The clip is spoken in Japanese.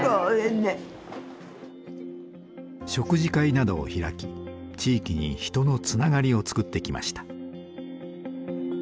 食事会などを開き地域に人のつながりをつくってきました。